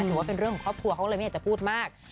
ถือว่าเป็นเรื่องของครอบครัวเขาเลยไม่อยากจะพูดมาก